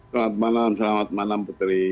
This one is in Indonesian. selamat malam selamat malam putri